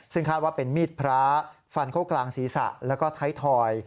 ซึ่งคาดว่าเป็นมีดพระฟันเข้ากลางศีรษะแล้วก็ไทยทอย